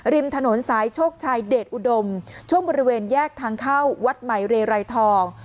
ริมถนนสายโชคชัยเดชอุดมช่วงบริเวณแยกทางเข้าวัดใหม่เรไรทอง